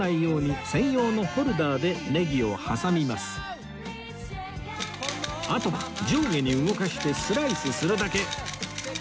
まずはあとは上下に動かしてスライスするだけ